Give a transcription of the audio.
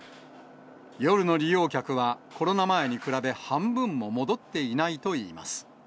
夜の利用客は、コロナ前に比べ半分も戻っていないといいます。